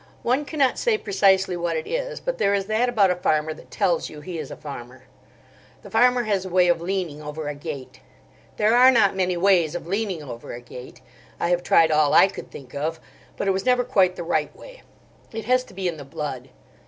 One cannot say precisely what it is, but there is that about a farmer that tells you he is a farmer. The farmer has a way of leaning over a gate. There are not many ways of leaning over a gate. I have tried all I could think of, but it was never quite the right way. It has to be in the blood.